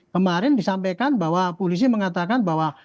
kemarin disampaikan bahwa polisi mengatakan bahwa